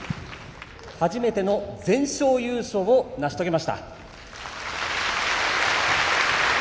初めての全勝優勝を成し遂げました。